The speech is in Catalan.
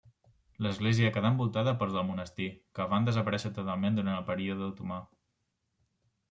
L'església quedà envoltada pels del monestir, que van desaparèixer totalment durant el període otomà.